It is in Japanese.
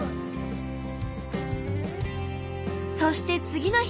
そして次の日。